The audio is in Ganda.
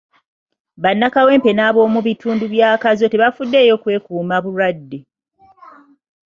Bannakawempe n'ab'omu bitundu bya Kazo tebafuddeyo kwekuuma bulwadde.